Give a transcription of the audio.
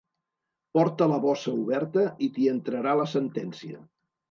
Porta la bossa oberta i t'hi entrarà la sentència.